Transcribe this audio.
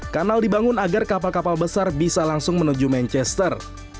kanal dibangun agar kapal kapal besar bisa langsung menuju manchester